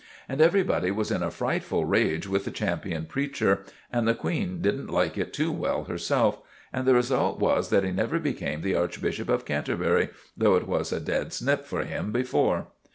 And everybody was in a frightful rage with the champion preacher; and the Queen didn't like it too well herself; and the result was that he never became the Archbishop of Canterbury, though it was a dead snip for him before."